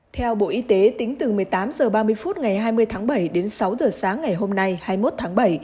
theo bộ y tế tính từ một mươi tám h ba mươi phút ngày hai mươi tháng bảy đến sáu h sáng ngày hôm nay hai mươi một tháng bảy